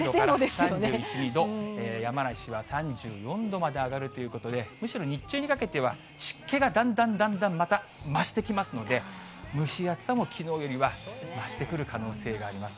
３１、２度、山梨は３４度まで上がるということで、むしろ日中にかけては湿気がだんだんだんだん、また増してきますので、蒸し暑さもきのうよりは増してくる可能性があります。